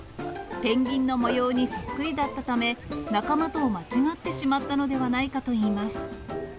ペンギンの模様にそっくりだったため、仲間と間違ってしまったのではないかといいます。